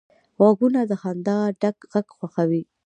غوږونه له خندا ډک غږ خوښوي